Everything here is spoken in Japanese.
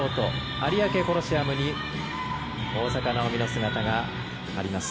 有明コロシアムに大坂なおみの姿があります。